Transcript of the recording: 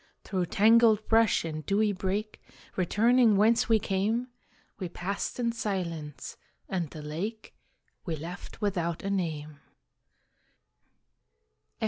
Through tangled brush and dewy brake, Returning whence we came, We passed in silence, and the lake We left without a name.